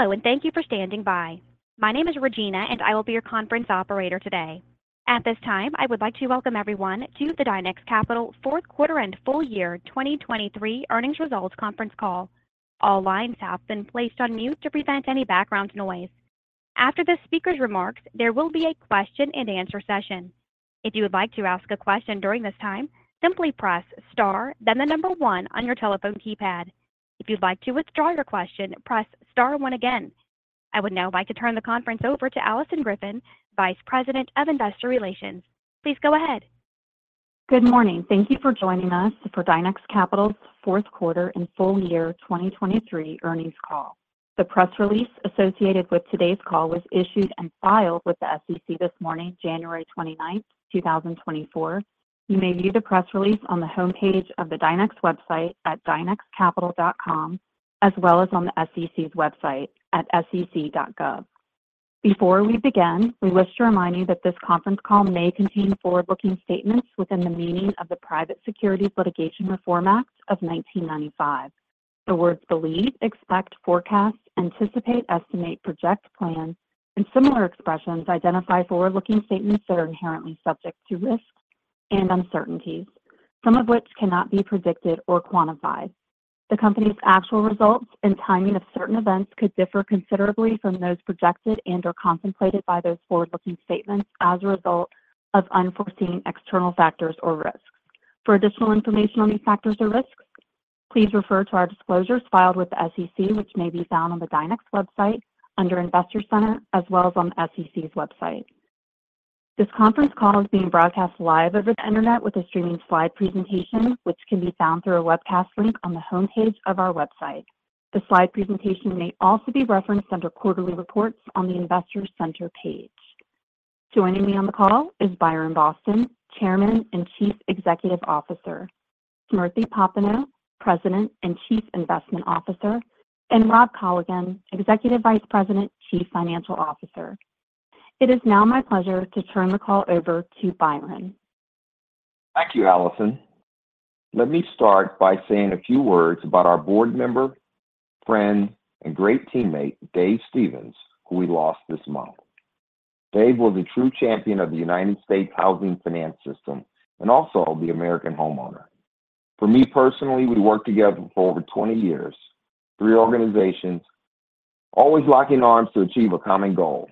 Hello, and thank you for standing by. My name is Regina, and I will be your conference operator today. At this time, I would like to welcome everyone to the Dynex Capital fourth quarter and full year 2023 earnings results conference call. All lines have been placed on mute to prevent any background noise. After the speaker's remarks, there will be a question and answer session. If you would like to ask a question during this time, simply press star, then the number one on your telephone keypad. If you'd like to withdraw your question, press star one again. I would now like to turn the conference over to Alison Griffin, Vice President of Investor Relations. Please go ahead. Good morning. Thank you for joining us for Dynex Capital's fourth quarter and full year 2023 earnings call. The press release associated with today's call was issued and filed with the SEC this morning, January 29, 2024. You may view the press release on the homepage of the Dynex website at dynexcapital.com, as well as on the SEC's website at sec.gov. Before we begin, we wish to remind you that this conference call may contain forward-looking statements within the meaning of the Private Securities Litigation Reform Act of 1995. The words believe, expect, forecast, anticipate, estimate, project, plan, and similar expressions identify forward-looking statements that are inherently subject to risks and uncertainties, some of which cannot be predicted or quantified. The Company's actual results and timing of certain events could differ considerably from those projected and/or contemplated by those forward-looking statements as a result of unforeseen external factors or risks. For additional information on these factors or risks, please refer to our disclosures filed with the SEC, which may be found on the Dynex website under Investor Center, as well as on the SEC's website. This conference call is being broadcast live over the Internet with a streaming slide presentation, which can be found through a webcast link on the homepage of our website. The slide presentation may also be referenced under Quarterly Reports on the Investor Center page. Joining me on the call is Byron Boston, Chairman and Chief Executive Officer, Smriti Popenoe, President and Chief Investment Officer, and Rob Colligan, Executive Vice President, Chief Financial Officer. It is now my pleasure to turn the call over to Byron. Thank you, Alison. Let me start by saying a few words about our board member, friend, and great teammate, Dave Stevens, who we lost this month. Dave was a true champion of the United States housing finance system and also the American homeowner. For me personally, we worked together for over 20 years, three organizations, always locking arms to achieve a common goal.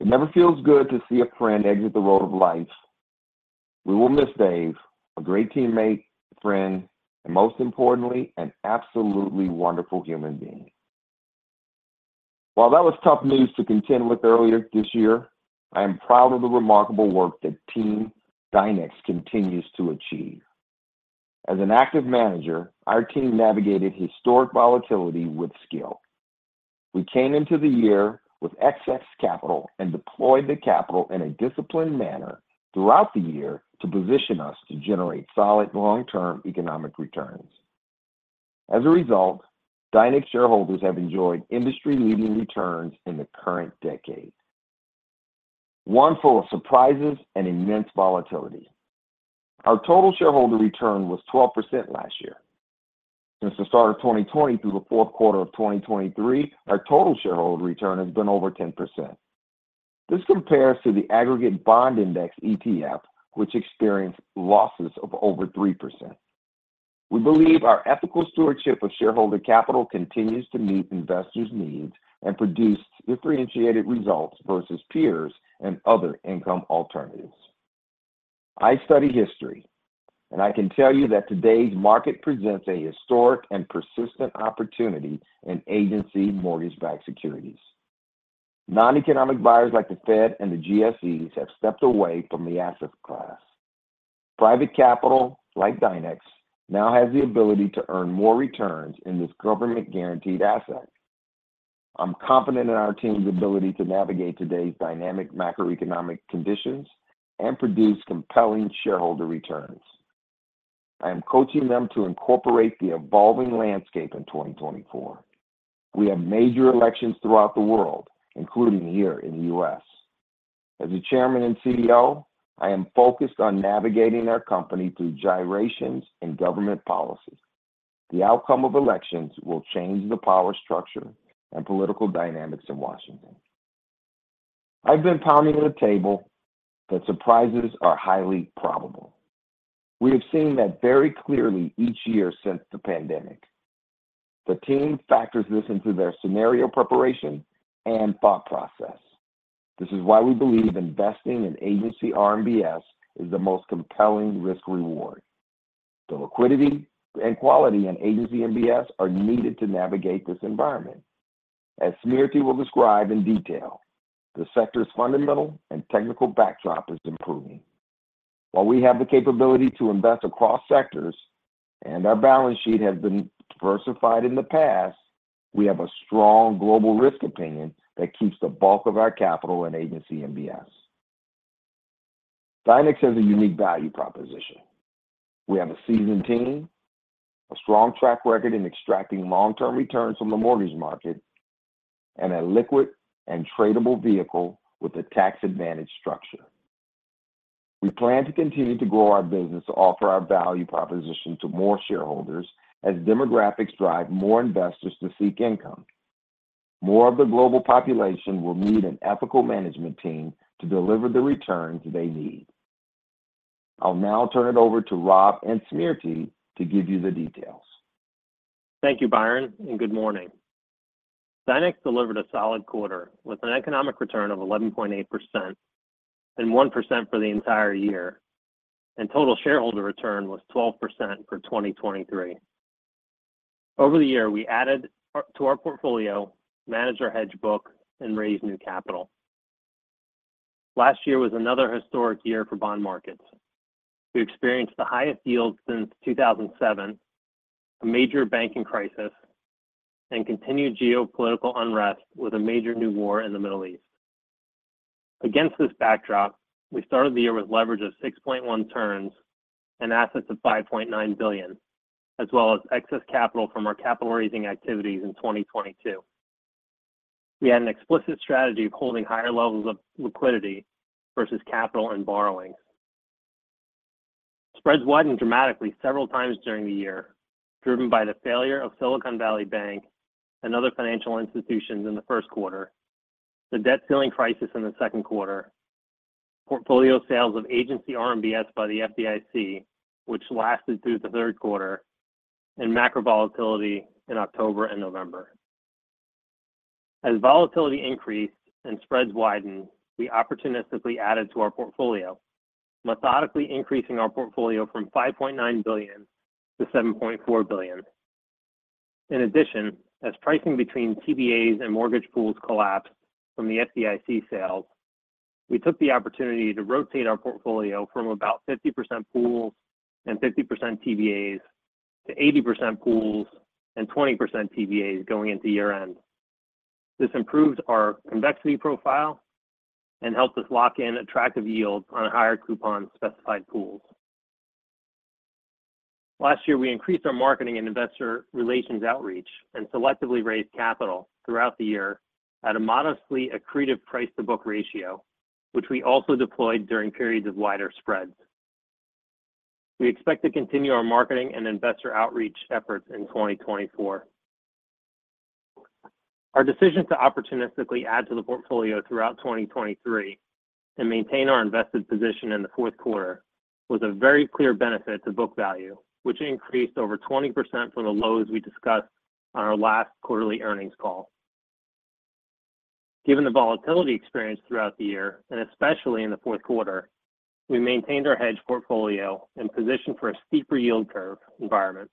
It never feels good to see a friend exit the road of life. We will miss Dave, a great teammate, friend, and most importantly, an absolutely wonderful human being. While that was tough news to contend with earlier this year, I am proud of the remarkable work that Team Dynex continues to achieve. As an active manager, our team navigated historic volatility with skill. We came into the year with excess capital and deployed the capital in a disciplined manner throughout the year to position us to generate solid long-term economic returns. As a result, Dynex shareholders have enjoyed industry-leading returns in the current decade, one full of surprises and immense volatility. Our total shareholder return was 12% last year. Since the start of 2020 through the fourth quarter of 2023, our total shareholder return has been over 10%. This compares to the aggregate bond index ETF, which experienced losses of over 3%. We believe our ethical stewardship of shareholder capital continues to meet investors' needs and produce differentiated results versus peers and other income alternatives. I study history, and I can tell you that today's market presents a historic and persistent opportunity in agency mortgage-backed securities. Non-economic buyers like the Fed and the GSEs have stepped away from the asset class. Private capital, like Dynex, now has the ability to earn more returns in this government-guaranteed asset. I'm confident in our team's ability to navigate today's dynamic macroeconomic conditions and produce compelling shareholder returns. I am coaching them to incorporate the evolving landscape in 2024. We have major elections throughout the world, including here in the U.S. As the chairman and CEO, I am focused on navigating our company through gyrations in government policy. The outcome of elections will change the power structure and political dynamics in Washington. I've been pounding on the table that surprises are highly probable. We have seen that very clearly each year since the pandemic. The team factors this into their scenario preparation and thought process. This is why we believe investing in Agency RMBS is the most compelling risk reward. The liquidity and quality in Agency MBS are needed to navigate this environment. As Smriti will describe in detail, the sector's fundamental and technical backdrop is improving. While we have the capability to invest across sectors and our balance sheet has been diversified in the past, we have a strong global risk opinion that keeps the bulk of our capital in Agency MBS. Dynex has a unique value proposition. We have a seasoned team, a strong track record in extracting long-term returns from the mortgage market, and a liquid and tradable vehicle with a tax-advantaged structure.... We plan to continue to grow our business to offer our value proposition to more shareholders as demographics drive more investors to seek income. More of the global population will need an ethical management team to deliver the returns they need. I'll now turn it over to Rob and Smriti to give you the details. Thank you, Byron, and good morning. Dynex delivered a solid quarter with an economic return of 11.8% and 1% for the entire year, and total shareholder return was 12% for 2023. Over the year, we added to our portfolio, managed our hedge book, and raised new capital. Last year was another historic year for bond markets. We experienced the highest yields since 2007, a major banking crisis, and continued geopolitical unrest with a major new war in the Middle East. Against this backdrop, we started the year with leverage of 6.1 turns and assets of $5.9 billion, as well as excess capital from our capital raising activities in 2022. We had an explicit strategy of holding higher levels of liquidity versus capital and borrowings. Spreads widened dramatically several times during the year, driven by the failure of Silicon Valley Bank and other financial institutions in the first quarter, the debt ceiling crisis in the second quarter, portfolio sales of Agency RMBS by the FDIC, which lasted through the third quarter, and macro volatility in October and November. As volatility increased and spreads widened, we opportunistically added to our portfolio, methodically increasing our portfolio from $5.9 billion to $7.4 billion. In addition, as pricing between TBAs and mortgage pools collapsed from the FDIC sales, we took the opportunity to rotate our portfolio from about 50% pools and 50% TBAs to 80% pools and 20% TBAs going into year-end. This improved our convexity profile and helped us lock in attractive yields on higher coupon-specified pools. Last year, we increased our marketing and investor relations outreach and selectively raised capital throughout the year at a modestly accretive price-to-book ratio, which we also deployed during periods of wider spreads. We expect to continue our marketing and investor outreach efforts in 2024. Our decision to opportunistically add to the portfolio throughout 2023 and maintain our invested position in the fourth quarter was a very clear benefit to book value, which increased over 20% from the lows we discussed on our last quarterly earnings call. Given the volatility experienced throughout the year, and especially in the fourth quarter, we maintained our hedge portfolio and positioned for a steeper yield curve environment.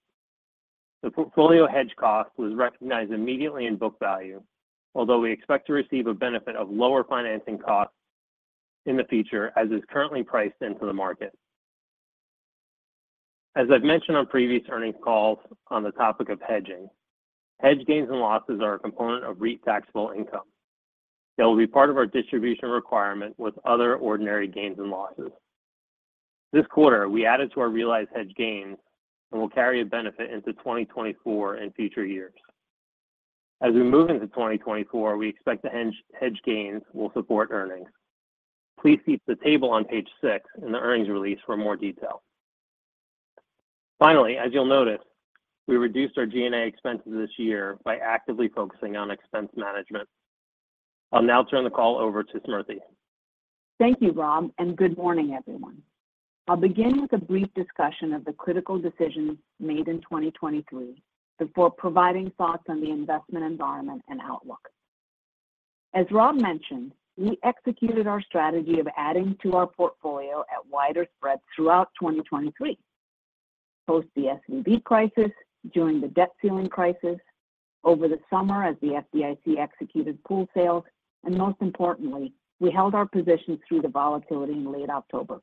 The portfolio hedge cost was recognized immediately in book value, although we expect to receive a benefit of lower financing costs in the future, as is currently priced into the market. As I've mentioned on previous earnings calls on the topic of hedging, hedge gains and losses are a component of REIT taxable income. They will be part of our distribution requirement with other ordinary gains and losses. This quarter, we added to our realized hedge gains and will carry a benefit into 2024 and future years. As we move into 2024, we expect the hedge gains will support earnings. Please see the table on page 6 in the earnings release for more detail. Finally, as you'll notice, we reduced our G&A expenses this year by actively focusing on expense management. I'll now turn the call over to Smriti. Thank you, Rob, and good morning, everyone. I'll begin with a brief discussion of the critical decisions made in 2023 before providing thoughts on the investment environment and outlook. As Rob mentioned, we executed our strategy of adding to our portfolio at wider spreads throughout 2023, post the SVB crisis, during the debt ceiling crisis, over the summer as the FDIC executed pool sales, and most importantly, we held our position through the volatility in late October.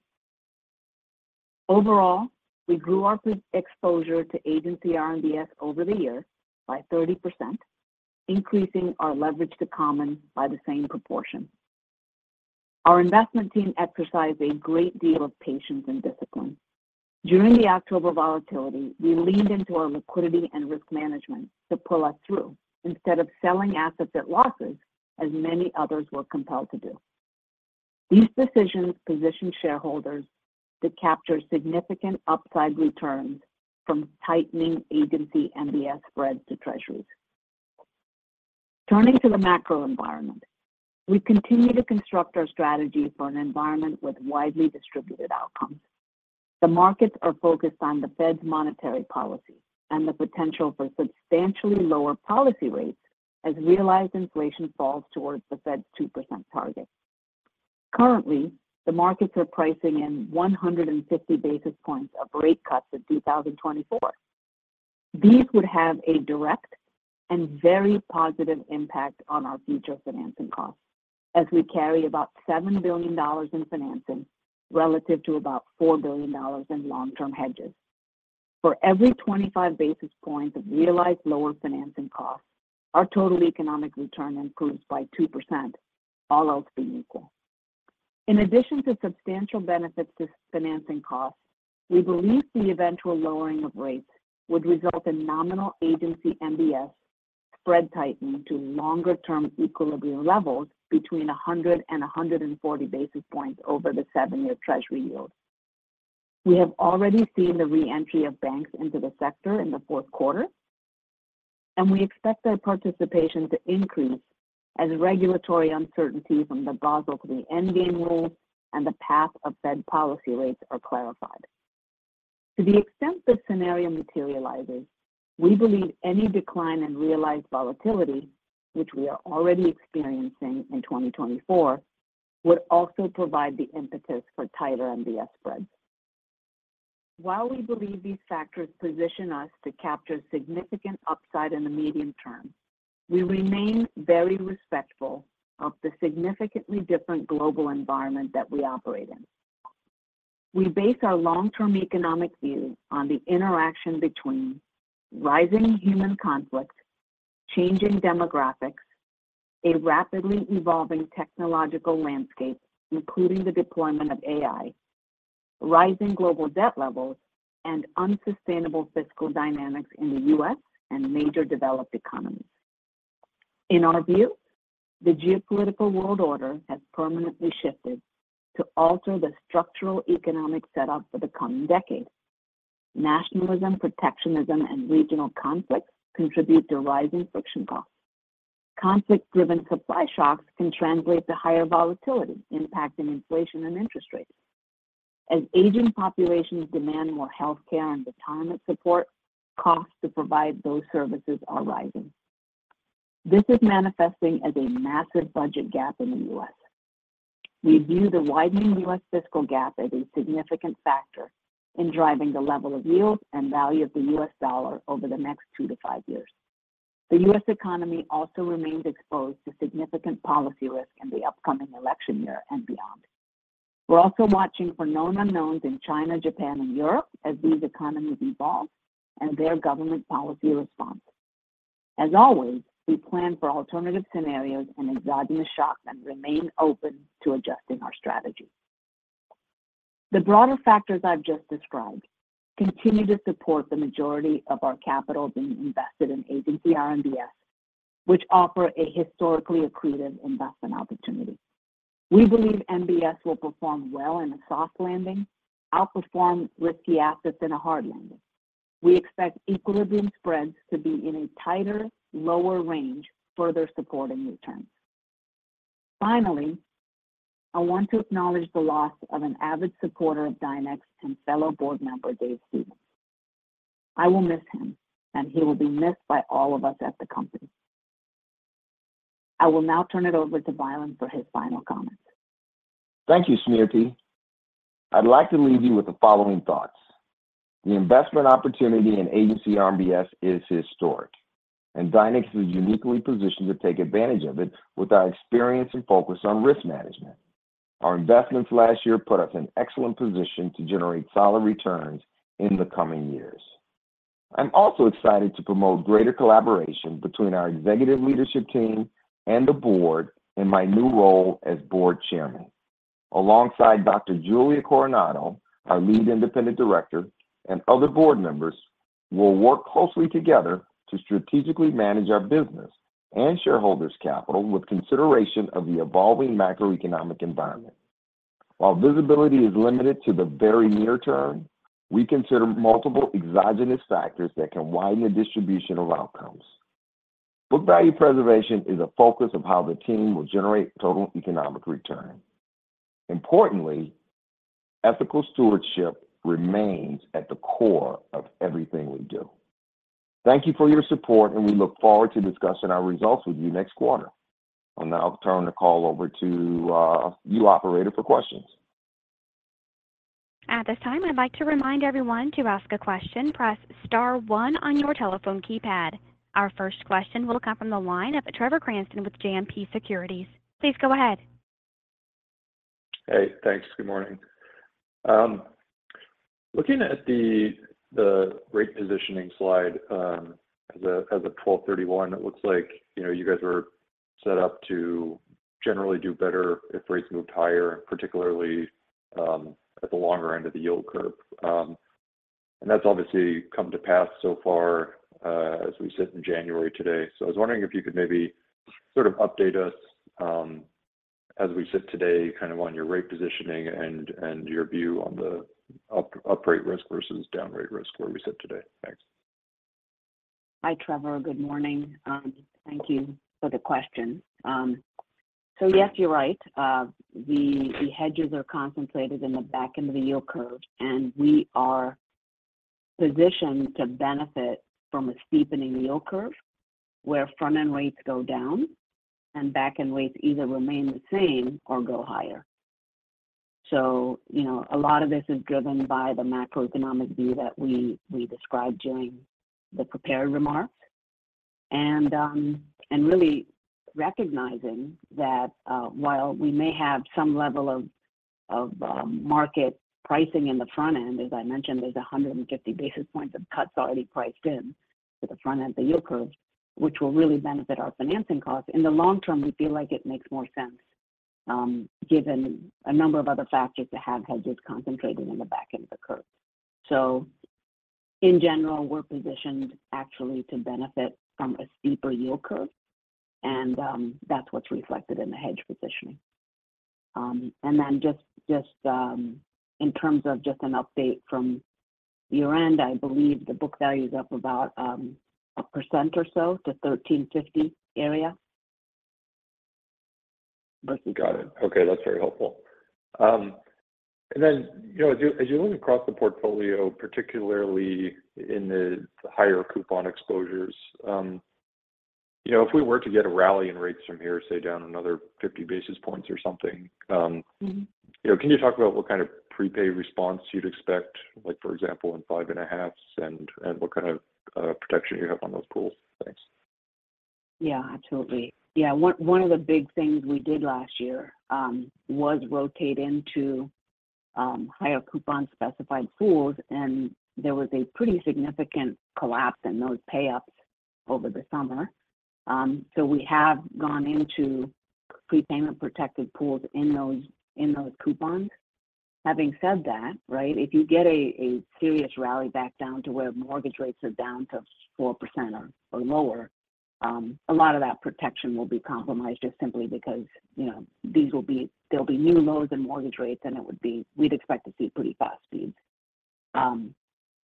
Overall, we grew our exposure to Agency RMBS over the years by 30%, increasing our leverage to common by the same proportion. Our investment team exercised a great deal of patience and discipline. During the October volatility, we leaned into our liquidity and risk management to pull us through instead of selling assets at losses, as many others were compelled to do. These decisions positioned shareholders to capture significant upside returns from tightening Agency MBS spreads to Treasuries. Turning to the macro environment, we continue to construct our strategy for an environment with widely distributed outcomes. The markets are focused on the Fed's monetary policy and the potential for substantially lower policy rates as realized inflation falls towards the Fed's 2% target. Currently, the markets are pricing in 150 basis points of rate cuts in 2024. These would have a direct and very positive impact on our future financing costs, as we carry about $7 billion in financing relative to about $4 billion in long-term hedges. For every 25 basis points of realized lower financing costs, our total economic return improves by 2%, all else being equal. In addition to substantial benefits to financing costs, we believe the eventual lowering of rates would result in nominal Agency MBS spreads tighten to longer-term equilibrium levels between 100 and 140 basis points over the seven year Treasury yield. We have already seen the re-entry of banks into the sector in the fourth quarter, and we expect their participation to increase as regulatory uncertainty from the Basel III Endgame rules and the path of Fed policy rates are clarified. To the extent this scenario materializes, we believe any decline in realized volatility, which we are already experiencing in 2024, would also provide the impetus for tighter MBS spreads. While we believe these factors position us to capture significant upside in the medium term, we remain very respectful of the significantly different global environment that we operate in. We base our long-term economic view on the interaction between rising human conflict, changing demographics, a rapidly evolving technological landscape, including the deployment of AI, rising global debt levels, and unsustainable fiscal dynamics in the U.S. and major developed economies. In our view, the geopolitical world order has permanently shifted to alter the structural economic setup for the coming decades. Nationalism, protectionism, and regional conflicts contribute to rising friction costs. Conflict-driven supply shocks can translate to higher volatility, impacting inflation and interest rates. As aging populations demand more healthcare and retirement support, costs to provide those services are rising. This is manifesting as a massive budget gap in the U.S. We view the widening U.S. fiscal gap as a significant factor in driving the level of yields and value of the U.S. dollar over the next two to five years. The U.S. economy also remains exposed to significant policy risk in the upcoming election year and beyond. We're also watching for known unknowns in China, Japan, and Europe as these economies evolve and their government policy response. As always, we plan for alternative scenarios and exogenous shocks and remain open to adjusting our strategy. The broader factors I've just described continue to support the majority of our capital being invested in Agency RMBS, which offer a historically accretive investment opportunity. We believe MBS will perform well in a soft landing, outperform risky assets in a hard landing. We expect equilibrium spreads to be in a tighter, lower range, further supporting returns. Finally, I want to acknowledge the loss of an avid supporter of Dynex and fellow board member, Dave Stevens. I will miss him, and he will be missed by all of us at the company. I will now turn it over to Byron for his final comments. Thank you, Smriti. I'd like to leave you with the following thoughts: The investment opportunity in Agency RMBS is historic, and Dynex is uniquely positioned to take advantage of it with our experience and focus on risk management. Our investments last year put us in excellent position to generate solid returns in the coming years. I'm also excited to promote greater collaboration between our executive leadership team and the board in my new role as Board Chairman. Alongside Dr. Julia Coronado, our Lead Independent Director, and other board members, we'll work closely together to strategically manage our business and shareholders' capital with consideration of the evolving macroeconomic environment. While visibility is limited to the very near term, we consider multiple exogenous factors that can widen the distribution of outcomes. Book value preservation is a focus of how the team will generate total economic return. Importantly, ethical stewardship remains at the core of everything we do. Thank you for your support, and we look forward to discussing our results with you next quarter. I'll now turn the call over to you, operator, for questions. At this time, I'd like to remind everyone, to ask a question, press star one on your telephone keypad. Our first question will come from the line of Trevor Cranston with JMP Securities. Please go ahead. Hey, thanks. Good morning. Looking at the rate positioning slide, as of 12/31, it looks like, you know, you guys are set up to generally do better if rates moved higher, particularly at the longer end of the yield curve. And that's obviously come to pass so far, as we sit in January today. So I was wondering if you could maybe sort of update us, as we sit today, kind of on your rate positioning and your view on the uprate risk versus down rate risk where we sit today. Thanks. Hi, Trevor. Good morning. Thank you for the question. So yes, you're right. The hedges are concentrated in the back end of the yield curve, and we are positioned to benefit from a steepening yield curve, where front-end rates go down and back-end rates either remain the same or go higher. So, you know, a lot of this is driven by the macroeconomic view that we described during the prepared remarks. And really recognizing that, while we may have some level of market pricing in the front end, as I mentioned, there's 150 basis points of cuts already priced in to the front end of the yield curve, which will really benefit our financing costs. In the long term, we feel like it makes more sense.... given a number of other factors that have hedges concentrated in the back end of the curve. So in general, we're positioned actually to benefit from a steeper yield curve, and that's what's reflected in the hedge positioning. And then just in terms of just an update from year-end, I believe the book value is up about 1% or so to $13.50 area. Got it. Okay, that's very helpful. And then, you know, as you, as you look across the portfolio, particularly in the higher coupon exposures, you know, if we were to get a rally in rates from here, say, down another 50 basis points or something. Mm-hmm. You know, can you talk about what kind of prepay response you'd expect? Like, for example, in 5.5s, and what kind of protection you have on those pools? Thanks. Yeah, absolutely. Yeah, one of the big things we did last year was rotate into higher coupon specified pools, and there was a pretty significant collapse in those payups over the summer. So we have gone into prepayment-protected pools in those, in those coupons. Having said that, right, if you get a serious rally back down to where mortgage rates are down to 4% or lower, a lot of that protection will be compromised just simply because, you know, these will be, there'll be new lows in mortgage rates, and it would be, we'd expect to see pretty fast speeds.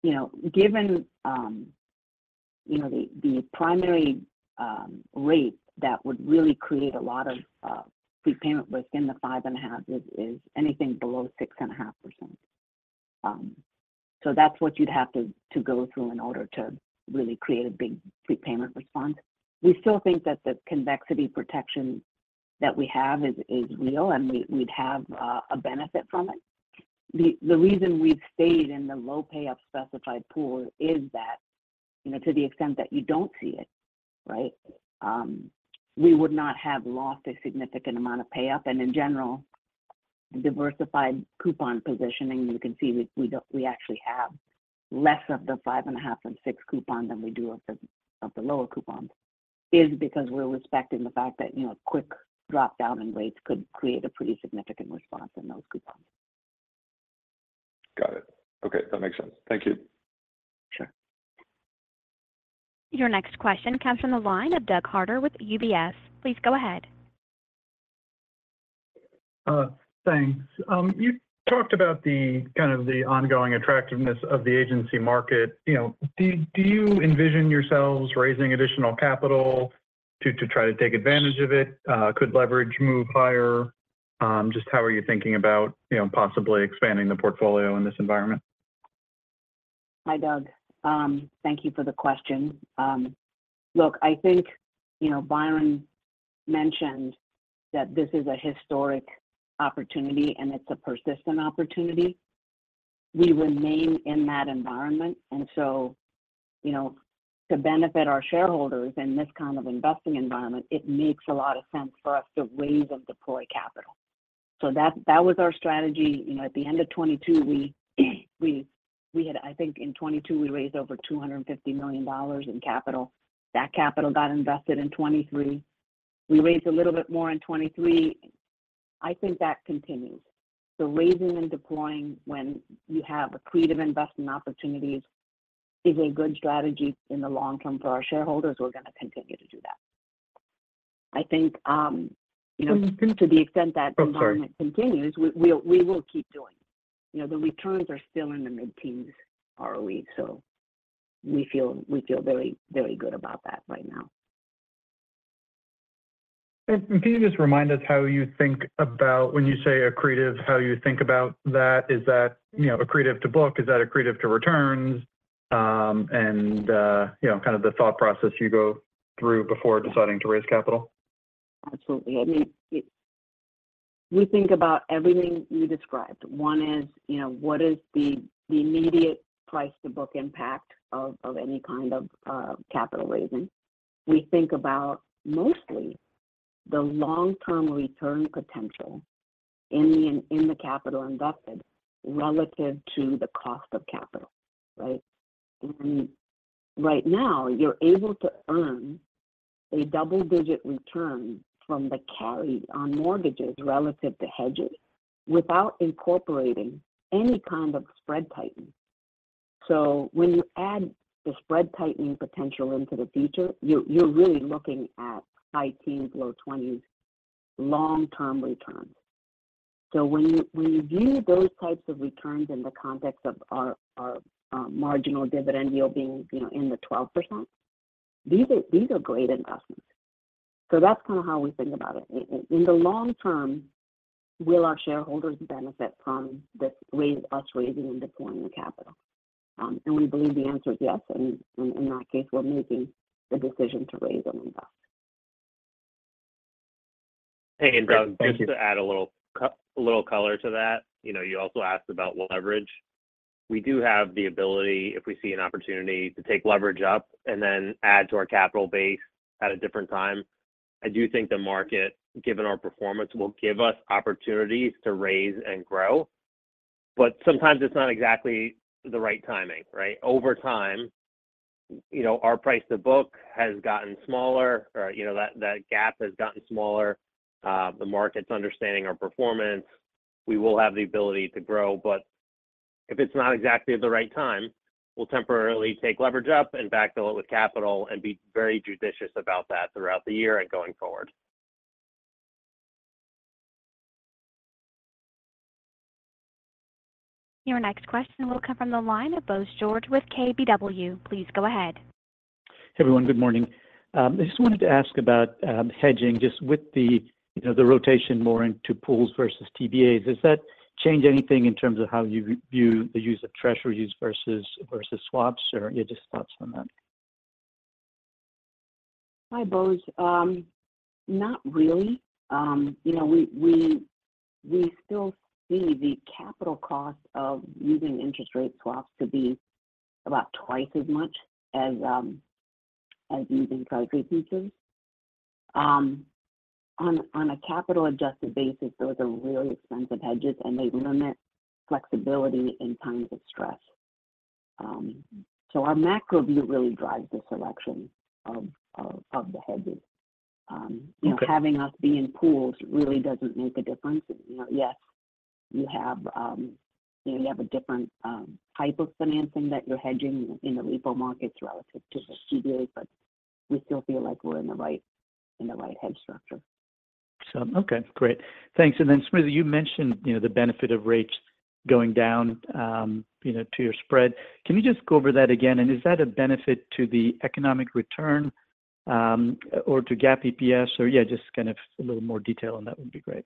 You know, given, you know, the primary rate that would really create a lot of prepayment within the 5.5 is anything below 6.5%. So that's what you'd have to go through in order to really create a big prepayment response. We still think that the convexity protection that we have is real, and we'd have a benefit from it. The reason we've stayed in the low payup specified pool is that, you know, to the extent that you don't see it, right, we would not have lost a significant amount of payup. In general, diversified coupon positioning, you can see we don't, we actually have less of the 5.5 and 6 coupon than we do of the lower coupons, is because we're respecting the fact that, you know, a quick drop down in rates could create a pretty significant response in those coupons. Got it. Okay, that makes sense. Thank you. Sure. Your next question comes from the line of Doug Harter with UBS. Please go ahead. Thanks. You talked about the kind of the ongoing attractiveness of the agency market. You know, do you envision yourselves raising additional capital to try to take advantage of it? Could leverage move higher? Just how are you thinking about, you know, possibly expanding the portfolio in this environment? Hi, Doug. Thank you for the question. Look, I think, you know, Byron mentioned that this is a historic opportunity, and it's a persistent opportunity. We remain in that environment, and so, you know, to benefit our shareholders in this kind of investing environment, it makes a lot of sense for us to raise and deploy capital. So that was our strategy. You know, at the end of 2022, I think in 2022, we raised over $250 million in capital. That capital got invested in 2023. We raised a little bit more in 2023. I think that continues. So raising and deploying when you have accretive investment opportunities is a good strategy in the long term for our shareholders. We're going to continue to do that. I think, you know, to the extent that- I'm sorry... the environment continues, we will keep doing it. You know, the returns are still in the mid-teens ROE, so we feel very, very good about that right now. And can you just remind us how you think about when you say accretive, how you think about that? Is that, you know, accretive to book? Is that accretive to returns? you know, kind of the thought process you go through before deciding to raise capital? Absolutely. I mean, we think about everything you described. One is, you know, what is the, the immediate price-to-book impact of, of any kind of, capital raising? We think about mostly the long-term return potential in the, in the capital invested relative to the cost of capital, right? And right now, you're able to earn a double-digit return from the carry on mortgages relative to hedges, without incorporating any kind of spread tightening. So when you add the spread tightening potential into the future, you're, you're really looking at high teens, low twenties, long-term returns. So when you, when you view those types of returns in the context of our, our, marginal dividend yield being, you know, in the 12%, these are, these are great investments. So that's kind of how we think about it. In the long term, will our shareholders benefit from this raise, us raising and deploying the capital? And we believe the answer is yes, and in that case, we're making the decision to raise and invest. Hey, and Doug, just to add a little color to that, you know, you also asked about leverage. We do have the ability, if we see an opportunity, to take leverage up and then add to our capital base at a different time. I do think the market, given our performance, will give us opportunities to raise and grow.... but sometimes it's not exactly the right timing, right? Over time, you know, our price to book has gotten smaller, or, you know, that, that gap has gotten smaller. The market's understanding our performance. We will have the ability to grow, but if it's not exactly at the right time, we'll temporarily take leverage up and backfill it with capital and be very judicious about that throughout the year and going forward. Your next question will come from the line of Bose George with KBW. Please go ahead. Hey, everyone. Good morning. I just wanted to ask about hedging just with the, you know, the rotation more into pools versus TBAs. Does that change anything in terms of how you review the use of treasuries versus swaps, or yeah, just thoughts on that? Hi, Bose. Not really. You know, we still see the capital cost of using interest rate swaps to be about twice as much as using Treasury futures. On a capital-adjusted basis, those are really expensive hedges, and they limit flexibility in times of stress. So our macro view really drives the selection of the hedges. Okay. You know, having us be in pools really doesn't make a difference. You know, yes, you have, you know, you have a different, type of financing that you're hedging in the repo markets relative to the TBAs, but we still feel like we're in the right, in the right hedge structure. So, okay, great. Thanks. And then Smriti, you mentioned, you know, the benefit of rates going down, you know, to your spread. Can you just go over that again? And is that a benefit to the economic return, or to GAAP EPS? So yeah, just kind of a little more detail on that would be great.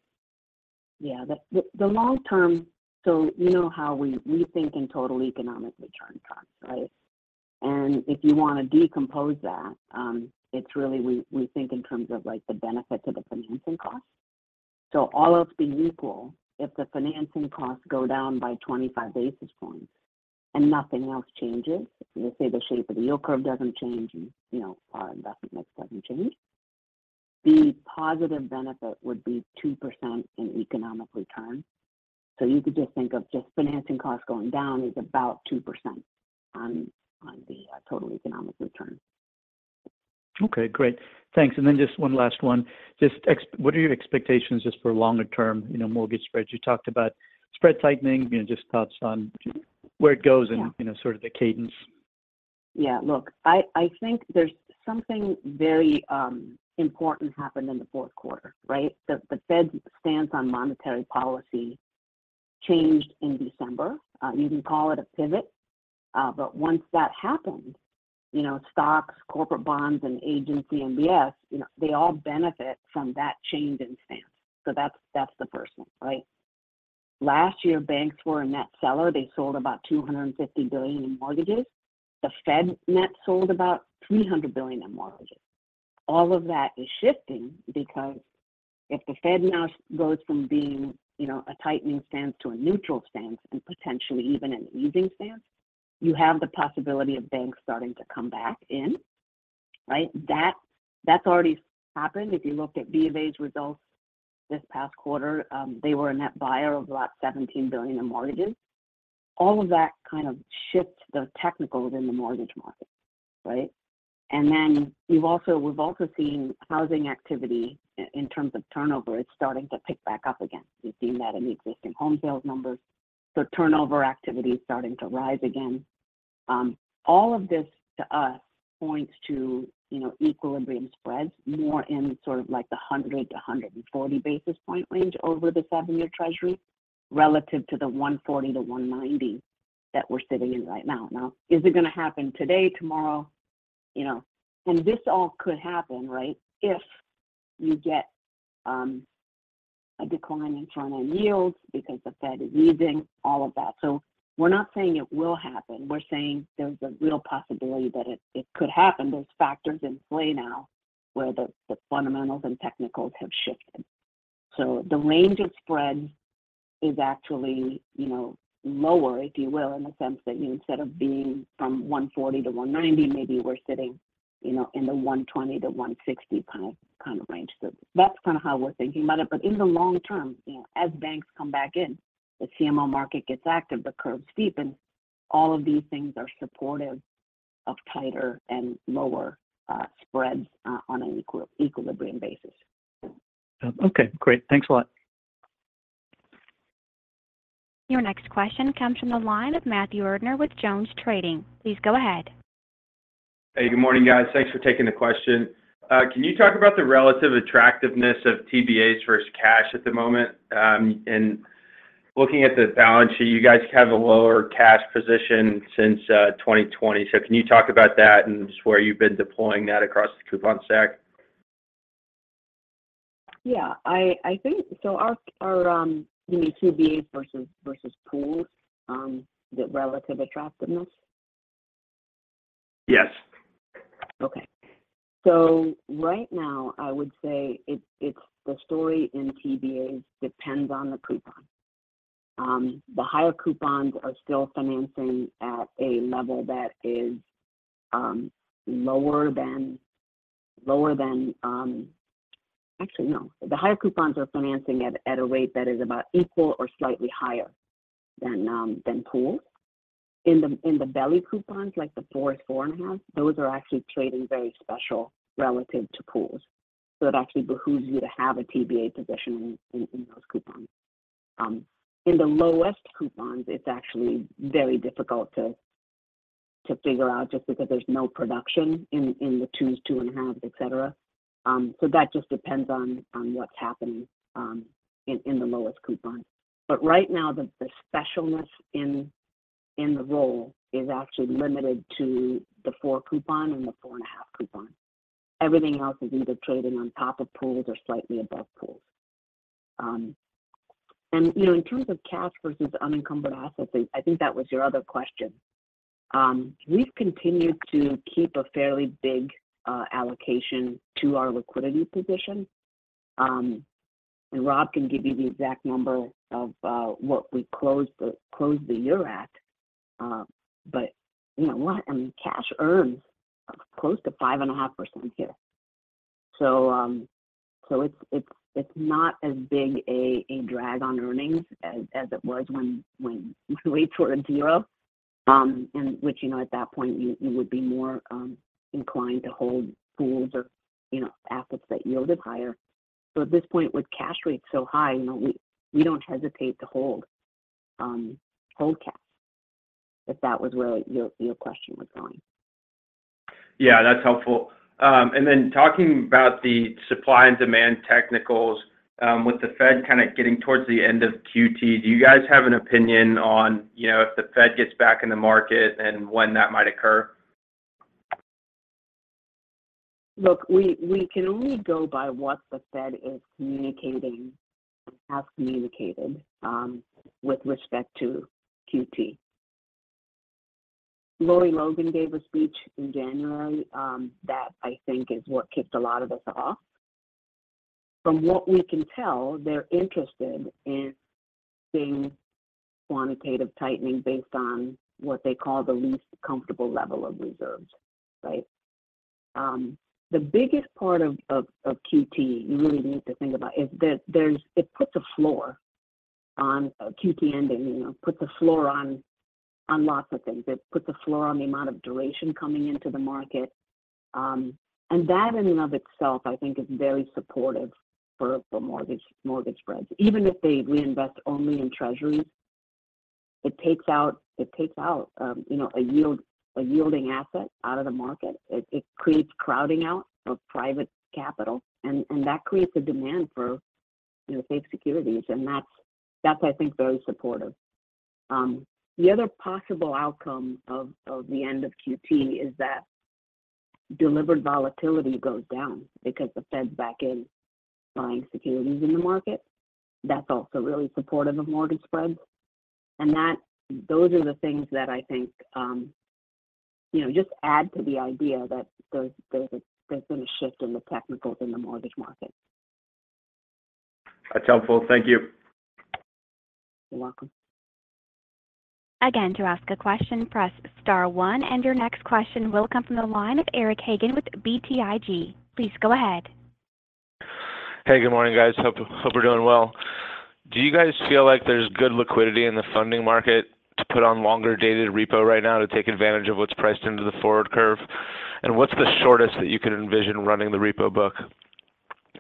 Yeah. The long term—so you know how we think in total economic return costs, right? And if you want to decompose that, it's really we think in terms of like the benefit to the financing cost. So all else being equal, if the financing costs go down by 25 basis points and nothing else changes, let's say the shape of the yield curve doesn't change and, you know, our investment mix doesn't change, the positive benefit would be 2% in economic return. So you could just think of just financing costs going down is about 2% on the total economic return. Okay, great. Thanks. And then just one last one. Just what are your expectations just for longer term, you know, mortgage spreads? You talked about spread tightening, you know, just thoughts on where it goes- Yeah... and, you know, sort of the cadence. Yeah, look, I think there's something very important happened in the fourth quarter, right? The Fed's stance on monetary policy changed in December. You can call it a pivot, but once that happened, you know, stocks, corporate bonds, and Agency MBS, you know, they all benefit from that change in stance. So that's the first one, right? Last year, banks were a net seller. They sold about $250 billion in mortgages. The Fed net sold about $300 billion in mortgages. All of that is shifting because if the Fed now goes from being a tightening stance to a neutral stance and potentially even an easing stance, you have the possibility of banks starting to come back in, right? That's already happened. If you looked at B of A's results this past quarter, they were a net buyer of about $17 billion in mortgages. All of that kind of shifts the technicals in the mortgage market, right? And then we've also seen housing activity in terms of turnover, it's starting to pick back up again. We've seen that in the existing home sales numbers. So turnover activity is starting to rise again. All of this, to us, points to, you know, equilibrium spreads more in sort of like the 100-140 basis point range over the seven year Treasury, relative to the 140-190 that we're sitting in right now. Now, is it going to happen today, tomorrow? You know, and this all could happen, right, if you get a decline in front-end yields because the Fed is easing, all of that. So we're not saying it will happen. We're saying there's a real possibility that it could happen. There's factors in play now where the fundamentals and technicals have shifted. So the range of spreads is actually, you know, lower, if you will, in the sense that instead of being from 140-190, maybe we're sitting, you know, in the 120-160 kind of range. So that's kind of how we're thinking about it. But in the long term, you know, as banks come back in, the CMO market gets active, the curves steepen, all of these things are supportive of tighter and lower spreads on an equilibrium basis. Okay, great. Thanks a lot. Your next question comes from the line of Matthew Erdner with JonesTrading. Please go ahead. Hey, good morning, guys. Thanks for taking the question. Can you talk about the relative attractiveness of TBAs versus cash at the moment? And looking at the balance sheet, you guys have a lower cash position since 2020. So can you talk about that and just where you've been deploying that across the coupon stack? Yeah, I think, so our, you mean TBAs versus pools, the relative attractiveness? Yes. Okay. So right now, I would say it's the story in TBAs depends on the coupon. The higher coupons are still financing at a level that is lower than... Actually, no. The higher coupons are financing at a rate that is about equal or slightly higher than pools. In the belly coupons, like the 4, 4.5, those are actually trading very special relative to pools. So it actually behooves you to have a TBA position in those coupons. In the lowest coupons, it's actually very difficult to figure out just because there's no production in the 2s, 2.5, etc. So that just depends on what's happening in the lowest coupon. But right now, the specialness in the roll is actually limited to the 4 coupon and the 4.5 coupon. Everything else is either trading on top of pools or slightly above pools. And, you know, in terms of cash versus unencumbered assets, I think that was your other question. We've continued to keep a fairly big allocation to our liquidity position. And Rob can give you the exact number of what we closed the year at. But you know what? I mean, cash earns close to 5.5% here. So, it's not as big a drag on earnings as it was when rates were at 0. And which, you know, at that point you would be more inclined to hold pools or, you know, assets that yielded higher. So at this point, with cash rates so high, you know, we don't hesitate to hold cash, if that was where your question was going. Yeah, that's helpful. And then talking about the supply and demand technicals, with the Fed kind of getting towards the end of QT, do you guys have an opinion on, you know, if the Fed gets back in the market and when that might occur? Look, we can only go by what the Fed is communicating, has communicated, with respect to QT. Lorie Logan gave a speech in January that I think is what kicked a lot of us off. From what we can tell, they're interested in seeing quantitative tightening based on what they call the least comfortable level of reserves, right? The biggest part of QT you really need to think about is that there's it puts a floor on QT ending. You know, puts a floor on lots of things. It puts a floor on the amount of duration coming into the market. And that in and of itself, I think is very supportive for mortgage spreads. Even if they reinvest only in treasuries, it takes out, it takes out, you know, a yield, a yielding asset out of the market. It creates crowding out of private capital, and that creates a demand for, you know, safe securities, and that's, I think, very supportive. The other possible outcome of the end of QT is that delivered volatility goes down because the Fed's back in buying securities in the market. That's also really supportive of mortgage spreads. And that, those are the things that I think, you know, just add to the idea that there's been a shift in the technicals in the mortgage market. That's helpful. Thank you. You're welcome. Again, to ask a question, press star one, and your next question will come from the line of Eric Hagen with BTIG. Please go ahead. Hey, good morning, guys. Hope we're doing well. Do you guys feel like there's good liquidity in the funding market to put on longer-dated repo right now to take advantage of what's priced into the forward curve? And what's the shortest that you could envision running the repo book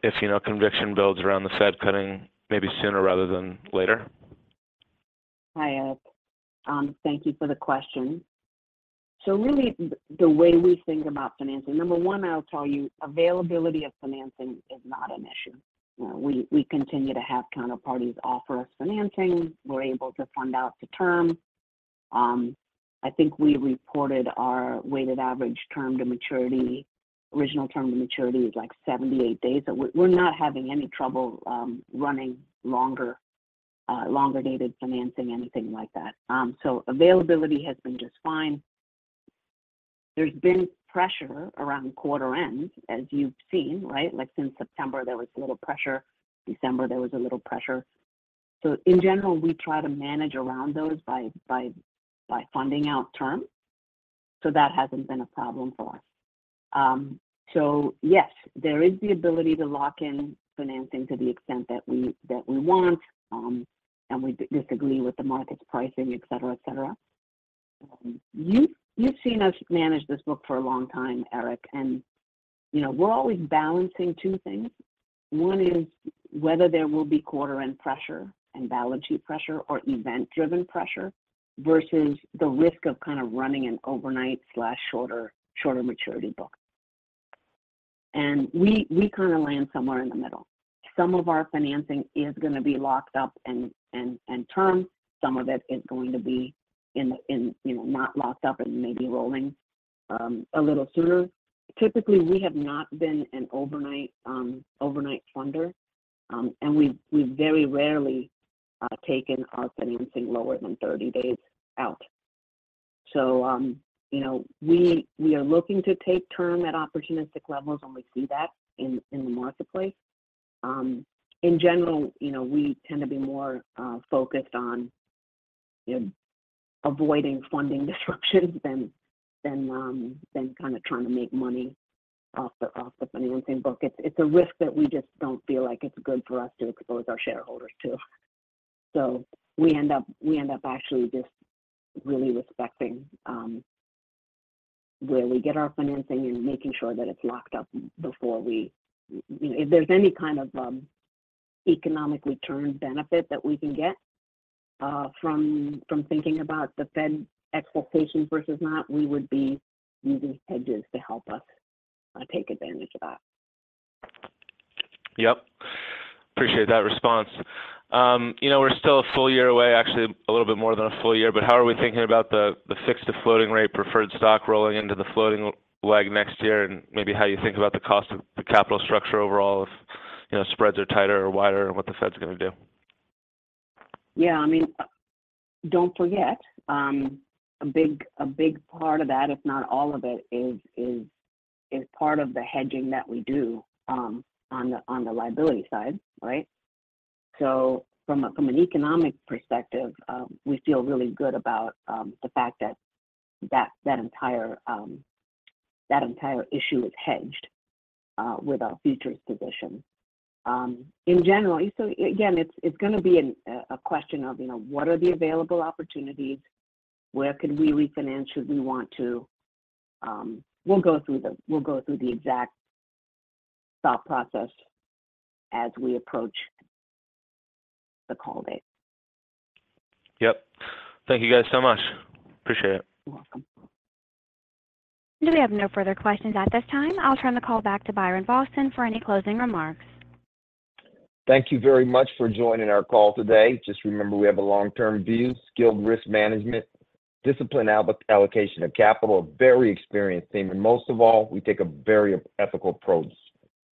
if, you know, conviction builds around the Fed cutting maybe sooner rather than later? Hi, Eric. Thank you for the question. So really, the way we think about financing, number one, I'll tell you, availability of financing is not an issue. We continue to have counterparties offer us financing. We're able to fund out to term. I think we reported our weighted average term to maturity, original term to maturity is, like, 78 days. So we're not having any trouble, running longer, longer-dated financing, anything like that. So availability has been just fine. There's been pressure around quarter end, as you've seen, right? Like, since September, there was a little pressure. December, there was a little pressure. So in general, we try to manage around those by funding out term. So that hasn't been a problem for us. So yes, there is the ability to lock in financing to the extent that we, that we want, and we disagree with the market's pricing, et cetera, et cetera. You've, you've seen us manage this book for a long time, Eric, and, you know, we're always balancing two things. One is whether there will be quarter-end pressure and balance sheet pressure or event-driven pressure versus the risk of kind of running an overnight, shorter maturity book. And we, we kind of land somewhere in the middle. Some of our financing is gonna be locked up and termed. Some of it is going to be in, in, you know, not locked up and maybe rolling, a little sooner. Typically, we have not been an overnight funder, and we've very rarely taken our financing lower than 30 days out. So, you know, we are looking to take term at opportunistic levels when we see that in the marketplace. In general, you know, we tend to be more focused on avoiding funding disruptions than kind of trying to make money off the funding we can book. It's a risk that we just don't feel like it's good for us to expose our shareholders to. So we end up actually just really respecting where we get our financing and making sure that it's locked up before we. You know, if there's any kind of economic return benefit that we can get from thinking about the Fed expectation versus not, we would be using hedges to help us take advantage of that. Yep. Appreciate that response. You know, we're still a full year away, actually, a little bit more than a full year, but how are we thinking about the fixed to floating rate preferred stock rolling into the floating leg next year, and maybe how you think about the cost of the capital structure overall if, you know, spreads are tighter or wider and what the Fed's gonna do? Yeah, I mean, don't forget, a big part of that, if not all of it, is part of the hedging that we do, on the liability side, right? So from an economic perspective, we feel really good about the fact that that entire issue is hedged with our futures position. In general, so again, it's gonna be a question of, you know, what are the available opportunities? Where could we refinance should we want to? We'll go through the exact thought process as we approach the call date. Yep. Thank you guys so much. Appreciate it. You're welcome. We have no further questions at this time. I'll turn the call back to Byron Boston for any closing remarks. Thank you very much for joining our call today. Just remember, we have a long-term view, skilled risk management, disciplined allocation of capital, a very experienced team, and most of all, we take a very ethical approach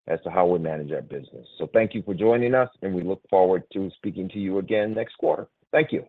as to how we manage our business. So thank you for joining us, and we look forward to speaking to you again next quarter. Thank you.